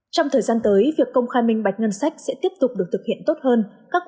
trong thời gian tới việc công khai minh bạch ngân sách sẽ tiếp tục được thực hiện tốt hơn